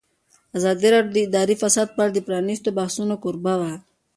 ازادي راډیو د اداري فساد په اړه د پرانیستو بحثونو کوربه وه.